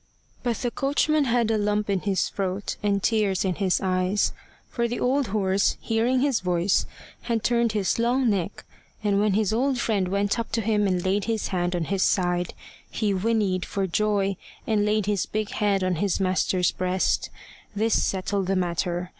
But the coachman had a lump in his throat and tears in his eyes. For the old horse, hearing his voice, had turned his long neck, and when his old friend went up to him and laid his hand on his side, he whinnied for joy, and laid his big head on his master's breast. This settled the matter.